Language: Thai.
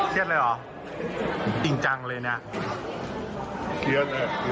เครียดเลยเหรอจริงจังเลยนี่